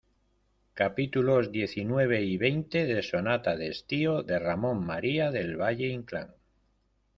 capítulos diecinueve y veinte de Sonata de Estío, de Ramón María del Valle-Inclán.